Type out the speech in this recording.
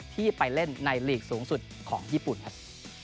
ที่ไปเล่นในหลีกสูงสุดของญี่ปุ่นครับ